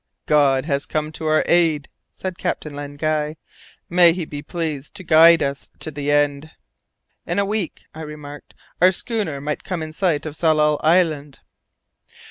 "God has come to our aid," said Captain Len Guy. "May He be pleased to guide us to the end." "In a week," I remarked, "our schooner might come in sight of Tsalal Island."